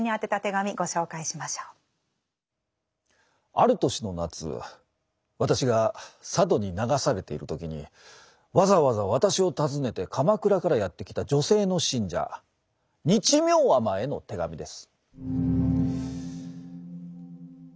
ある年の夏私が佐渡に流されている時にわざわざ私を訪ねて鎌倉からやって来た女性の信者日妙尼への手紙です。